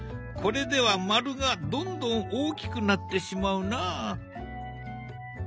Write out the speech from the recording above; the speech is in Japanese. これでは丸がどんどん大きくなってしまうな。